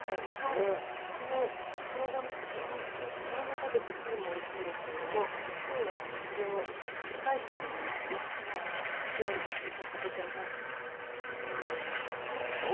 はいこのしょうがもとてもおいしいしこのまま食べて汁もおいしいんですけれども今日はこれを若い人に今人気の料理に変身させちゃいます！